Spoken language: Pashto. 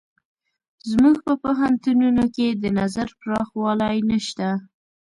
زموږ په پوهنتونونو کې د نظر پراخوالی نشته.